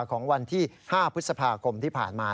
ของวันที่๕พฤษภาคมที่ผ่านมา